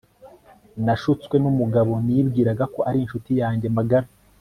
nashutswe numugabo nibwiraga ko ari inshuti yanjye magara